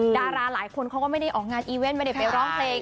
ดาราหลายคนเขาก็ไม่ได้ออกงานอีเวนต์ไม่ได้ไปร้องเพลง